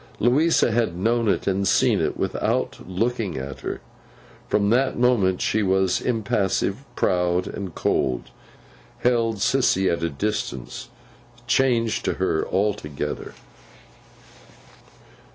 Louisa had known it, and seen it, without looking at her. From that moment she was impassive, proud and cold—held Sissy at a distance—changed to her altogether.